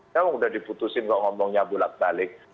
saya sudah diputuskan ngomongnya bulat balik